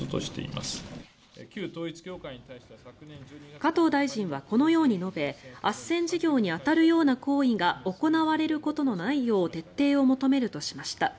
加藤大臣はこのように述べあっせん事業に当たるような行為が行われることのないよう徹底を求めるとしました。